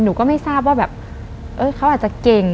หนูก็ไม่ทราบว่าแบบเขาอาจจะเก่ง